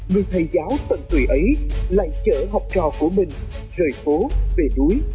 người thầy giáo tận tuổi ấy lại chở học trò của mình rời phố về đuối